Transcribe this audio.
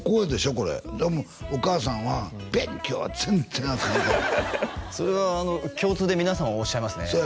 これでもお母さんは勉強は全然あかんそれは共通で皆さんおっしゃいますね